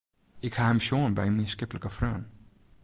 Ik ha him sjoen by in mienskiplike freon.